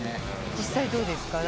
実際どうですか？